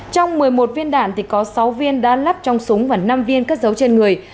trong một mươi một viên đạn có sáu viên đã lắp trong súng và năm viên cất dấu trên người